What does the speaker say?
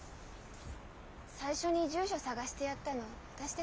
最初に住所探してやったの私ですから。